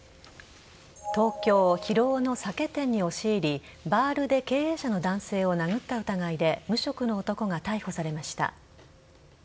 東京・広尾の酒店に押し入りバールで経営者の男性を殴った疑いで無職の男が逮捕されました。